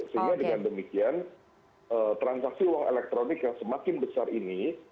sehingga dengan demikian transaksi uang elektronik yang semakin besar ini